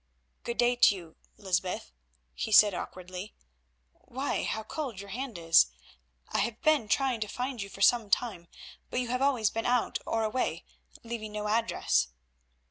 "Good day to you, Lysbeth," he said awkwardly; "why, how cold your hand is! I have been trying to find you for some time, but you have always been out or away, leaving no address."